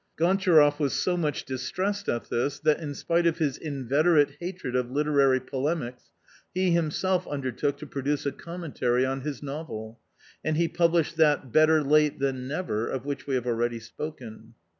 Gontcharoff was so much distressed at this, that, in spite of his inveterate hatred of literary polemics, he himself undertook to produce a commentary on his novel, and he published that Better Late than Never, of which we have ^ already spoken.